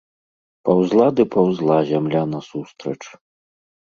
Паўзла ды паўзла зямля насустрач.